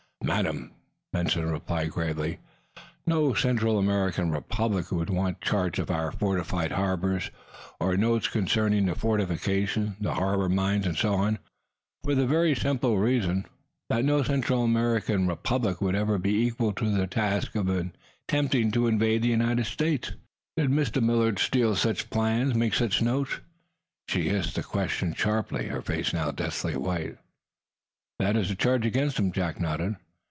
"Madam," Benson replied, gravely, "no Central American republic would want charts of our fortified harbors, or notes concerning the fortifications, the harbor mines, and so on, for the very simple reason that no Central American republic would ever be equal to the task of attempting to invade the United States." "Did Mr. Millard steal such plans make such notes?" She hissed the question sharply, her face now deathly white. "That is the charge against him," Jack nodded.